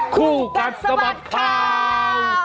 คู่กัดสะบัดข่าว